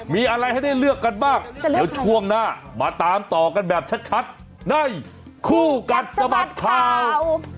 มีอะไรให้ได้เลือกกันบ้างเดี๋ยวช่วงหน้ามาตามต่อกันแบบชัดในคู่กัดสะบัดข่าว